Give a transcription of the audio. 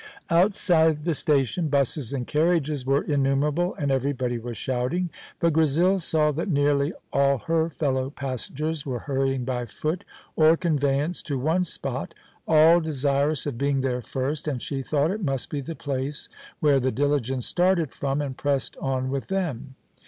Outside the station buses and carriages were innumerable, and everybody was shouting; but Grizel saw that nearly all her fellow passengers were hurrying by foot or conveyance to one spot, all desirous of being there first, and she thought it must be the place where the diligence started from, and pressed on with them.